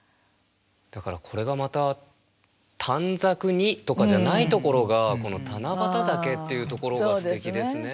だからこれがまた「短冊に」とかじゃないところがこの「七夕竹」っていうところがすてきですね。